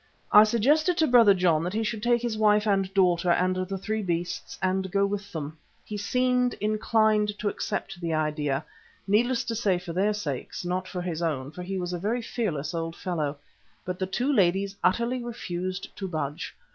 I suggested to Brother John that he should take his wife and daughter and the three beasts and go with them. He seemed inclined to accept the idea, needless to say for their sakes, not for his own, for he was a very fearless old fellow. But the two ladies utterly refused to budge.